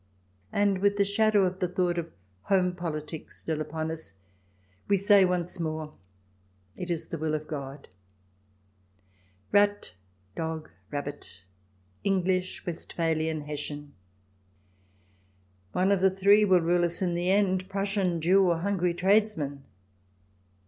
And, with the shadow of the thought of " home politics " still upon us, we say once more, "It is the will of God." Rat dog rabbit ; English Westphalian Hessian ; one of three will rule us in the end, Prussian, Jew, or hungry tradesman.